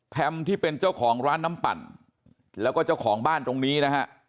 มที่เป็นเจ้าของร้านน้ำปั่นแล้วก็เจ้าของบ้านตรงนี้นะฮะ